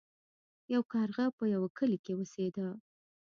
یو کارغه په یوه کلي کې اوسیده.